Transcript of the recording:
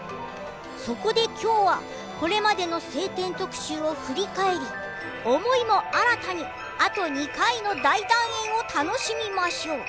そこできょうは、これまでの「青天」特集を振り返り思いも新たに、あと２回の大団円を楽しみましょう。